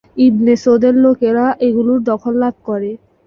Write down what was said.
ইবনে সৌদের লোকেরা এগুলোর দখল লাভ করে।